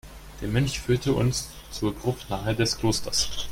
Der Mönch führte uns zur Gruft nahe des Klosters.